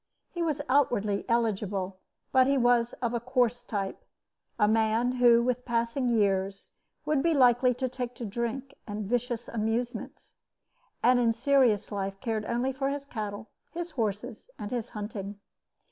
He was outwardly eligible; but he was of a coarse type a man who, with passing years, would be likely to take to drink and vicious amusements, and in serious life cared only for his cattle, his horses, and his hunting.